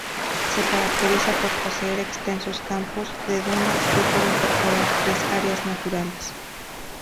Se caracteriza por poseer extensos campos de dunas y por incorporar tres áreas naturales.